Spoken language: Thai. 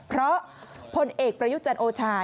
เพราะพลเอกประยุจันทร์โอชา